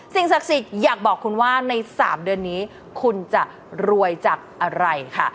ศักดิ์สิทธิ์อยากบอกคุณว่าใน๓เดือนนี้คุณจะรวยจากอะไรค่ะ